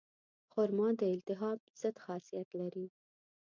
خرما د التهاب ضد خاصیت لري.